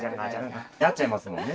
なっちゃいますもんね。